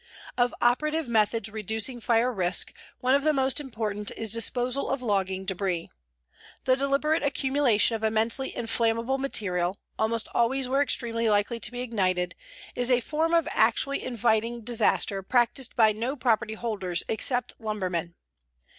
Of operative methods reducing fire risk, one of the most important is disposal of logging debris. The deliberate accumulation of immensely inflammable material, almost always where extremely likely to be ignited, is a form of actually inviting disaster practiced by no property holders except lumbermen.